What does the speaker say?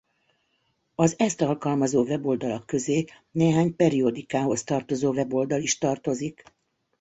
Az ezt alkalmazó weboldalak közé néhány periodikához tartozó weboldal is tartozik.